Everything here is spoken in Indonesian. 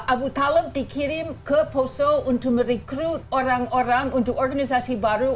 abu talem dikirim ke poso untuk merekrut orang orang untuk organisasi baru